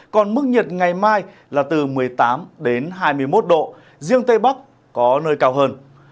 còn mức nhiệt ngày mai là từ một mươi tám hai mươi một độ riêng tây bắc có nơi cao hơn